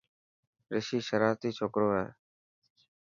رشي شرارتي ڇوڪرو هي.